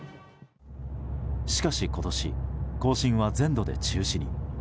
しかし、今年行進は全土で中止に。